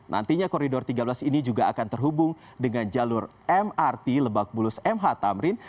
nantinya koridor tiga belas ini juga akan terhubung dengan jalur mrt lebak bulus mh tamrin